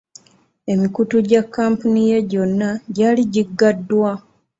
Emikutu gya kampuni ye gyonna gyali giggaddwa.